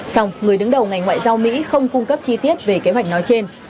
xong người đứng đầu ngành ngoại giao mỹ không cung cấp chi tiết về kế hoạch nói trên